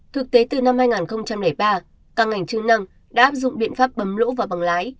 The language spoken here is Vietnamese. thực tế từ năm hai nghìn ba các ngành chức năng đã áp dụng biện pháp bấm lỗ và bằng lái